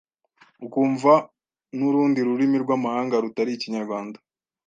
ukumva nurundi rurimi rw’amahanga rutari Ikinyarwanda